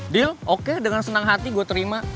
deal oke dengan senang hati gue terima